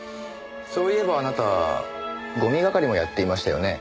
そういえばあなたゴミ係もやっていましたよね。